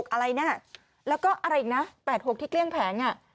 ๖๘๖อะไรนะแล้วก็อะไรอีกนะ๘๖ที่เกลี้ยงแผง